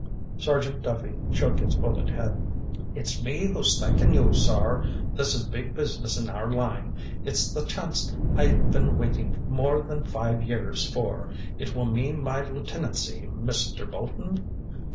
Sergeant Duffy shook his bullet head. "It's me who's thankin' you, sor. This is big business in our line. It's the chanct I've been waitin' more than five years for. It will mean my lieutenancy, Mister Bolton.